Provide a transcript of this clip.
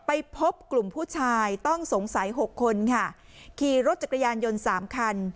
ไปพบกลุ่มผู้ชายต้องสงสัยหกคนค่ะขี่รถจักรยานยนต์สามคัน